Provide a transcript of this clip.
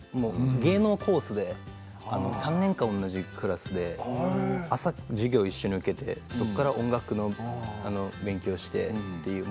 芸能コースで３年間同じクラスで朝、授業を一緒に受けてそこから音楽の勉強をしてという。